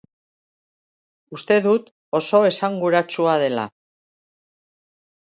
Uste dut oso esanguratsua dela.